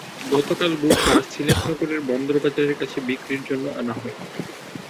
গতকাল বুধবার দুপুরে সিলেট নগরের বন্দরবাজারের কাছে বিক্রির জন্য আনা হয়।